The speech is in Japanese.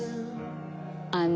あの。